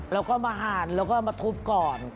แล้วก็มาห่านแล้วก็มาทุบก่อน